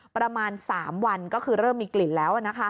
ประมาณ๓วันก็คือเริ่มมีกลิ่นแล้ว